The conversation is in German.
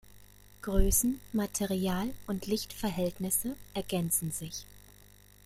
Größen-, Material- und Lichtverhältnisse ergänzen sich.